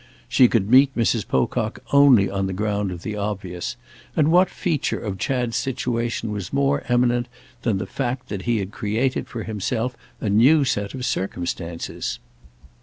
She could meet Mrs. Pocock only on the ground of the obvious, and what feature of Chad's situation was more eminent than the fact that he had created for himself a new set of circumstances?